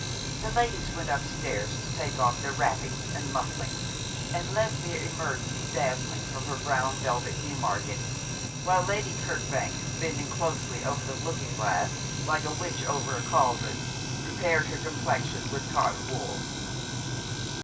The ladies went upstairs to take off their wrappings and mufflings, and Lesbia emerged dazzling from her brown velvet Newmarket, while Lady Kirkbank, bending closely over the looking glass, like a witch over a caldron, repaired her complexion with cotton wool.